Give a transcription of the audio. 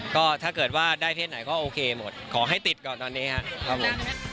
ก็ถ้าเกิดว่าได้เพศไหนก็โอเคหมดขอให้ติดก่อนตอนนี้ครับผม